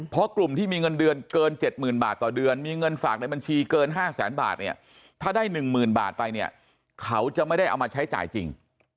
เพราะกลุ่มที่มีเงินเดือนเกิน๗๐๐๐บาทต่อเดือนมีเงินฝากในบัญชีเกิน๕แสนบาทเนี่ยถ้าได้๑๐๐๐บาทไปเนี่ยเขาจะไม่ได้เอามาใช้จ่ายจริง